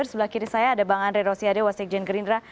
di sebelah kiri saya ada bang andre rosiade wass gen gerindra